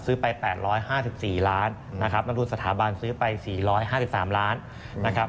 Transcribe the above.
ไป๘๕๔ล้านนะครับมาดูสถาบันซื้อไป๔๕๓ล้านนะครับ